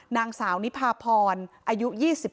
นางสาวนิพาพรอายุ๒๙